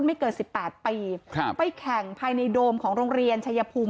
ไม่เกินสิบแปดปีครับไปแข่งภายในโดมของโรงเรียนชายภูมิ